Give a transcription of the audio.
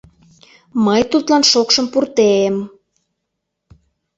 Мый тудлан шокшым пуртем!